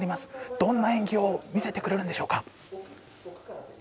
どんな演技を見せてくれるんでしょうか？